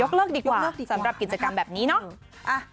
เลิกดีกว่าสำหรับกิจกรรมแบบนี้เนาะ